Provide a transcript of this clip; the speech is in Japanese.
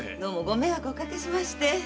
ご迷惑をおかけしまして。